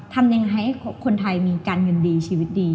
ทำยังไงให้คนไทยมีการเงินดีชีวิตดี